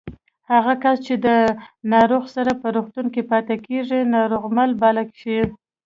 هغه کس چې د ناروغ سره په روغتون کې پاتې کېږي ناروغمل باله شي